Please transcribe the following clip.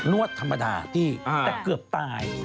วดธรรมดาพี่แต่เกือบตาย